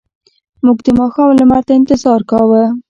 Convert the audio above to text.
موږ د ماښام لمر ته انتظار کاوه.